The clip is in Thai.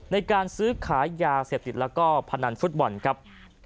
ในการซื้อขายยาเสพติดแล้วก็พนันฟุตบอลครับ